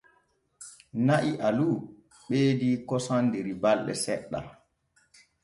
Na'i alu ɓeedi kosam der balde seɗɗen.